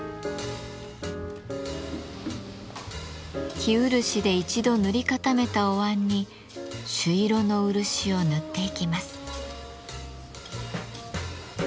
生漆で一度塗り固めたおわんに朱色の漆を塗っていきます。